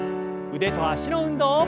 腕と脚の運動。